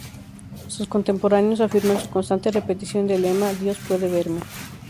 Sus contemporáneos afirman su constante repetición del lema: ""Dios puede verme"".